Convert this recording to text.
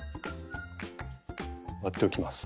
割っておきます。